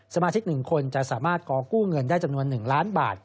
สมาชิก๑คนจะสามารถขอกู้เงินได้จำนวน๑ล้านบาท